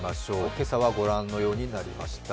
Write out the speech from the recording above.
今朝はご覧のようになりました。